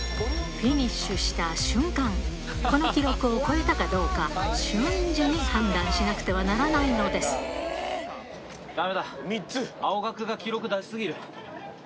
フィニッシュした瞬間、この記録を超えたかどうか、瞬時に判断しなくてはならないのだめだ、青学が記録出し過ぎる。